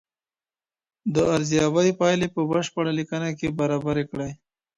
د ارزیابۍ پایلي په بشپړه لیکنه کي برابري کړئ.